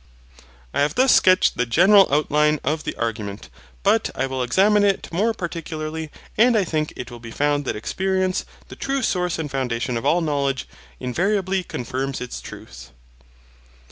I have thus sketched the general outline of the argument, but I will examine it more particularly, and I think it will be found that experience, the true source and foundation of all knowledge, invariably confirms its truth.